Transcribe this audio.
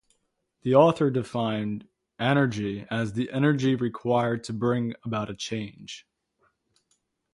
The author defined anergy as the energy required to bring about a change.